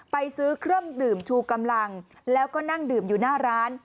ไปซื้อเครื่องดื่มชูกำลังแล้วก็นั่งดื่มอยู่หน้าร้าน